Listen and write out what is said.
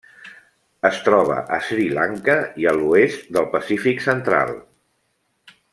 Es troba a Sri Lanka i a l'oest del Pacífic central.